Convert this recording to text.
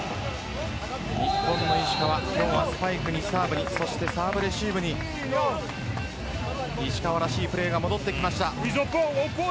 石川は今日はスパイクにサーブにそしてサーブレシーブに石川らしいプレーが戻ってきました。